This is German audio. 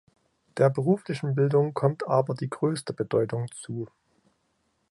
Der beruflichen Bildung kommt aber die größte Bedeutung zu.